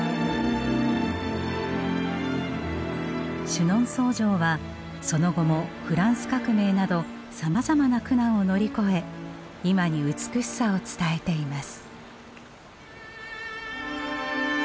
シュノンソー城はその後もフランス革命などさまざまな苦難を乗り越え今に美しさを伝えています。